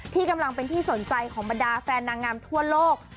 ที่กำลังเป็นที่สนใจของบรรดาแฟนนางงามทั่วโลก